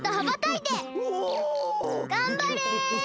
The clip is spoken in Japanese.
がんばれ！